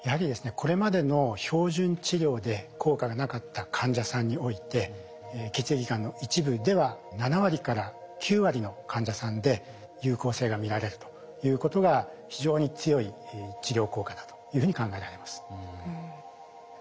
これまでの標準治療で効果がなかった患者さんにおいて血液がんの一部では７割から９割の患者さんで有効性が見られるということが非常に強い治療効果だというふうに考えられます。